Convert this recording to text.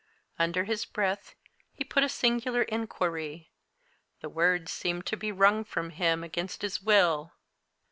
Under his breath, he put a singular inquiry the words seeming to be wrung from him against his will.